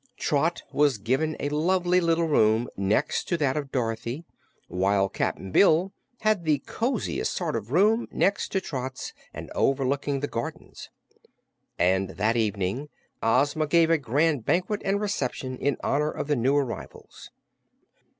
Trot was given a lovely little room next to that of Dorothy, while Cap'n Bill had the cosiest sort of a room next to Trot's and overlooking the gardens. And that evening Ozma gave a grand banquet and reception in honor of the new arrivals.